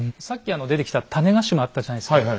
さっき出てきた種子島あったじゃないですか。